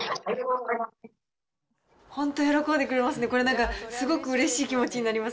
本当、喜んでくれますね、これ、なんかすごくうれしい気持ちになります。